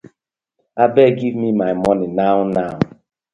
Abeg giv me my money now now.